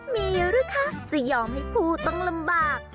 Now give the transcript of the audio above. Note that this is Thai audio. มีหรือคะจะยอมให้ผู้ต้องลำบาก